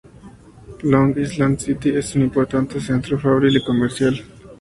Long Island City es un importante centro fabril y comercial.